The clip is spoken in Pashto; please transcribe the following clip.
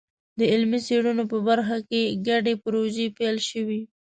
د علمي څېړنو په برخه کې ګډې پروژې پیل شوي.